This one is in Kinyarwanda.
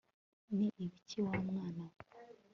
ni ibiki wa mwana we